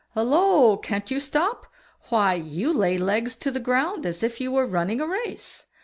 "Holloa! can't you stop? why, you lay legs to the ground as if you were running a race.